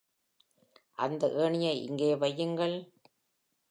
அந்த ஏணியை இங்கே வையுங்கள்.